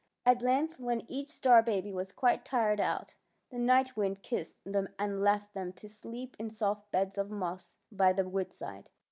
At length, when each star baby was quite tired out, the Night Wind kissed them and left them to sleep in soft beds of moss by the woodside.